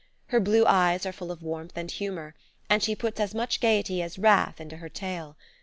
Her blue eyes are full of warmth and humour, and she puts as much gaiety as wrath into her tale.